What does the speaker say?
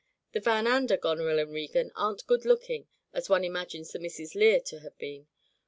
The Van Ander Goneril and Regan aren't good looking, as one imagines the Misses Lear to have been.